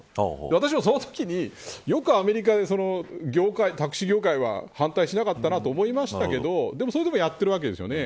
私もそのときによくアメリカでタクシー業界が反対しなかったなと思いましたけどでも、それでもやってるわけですよね。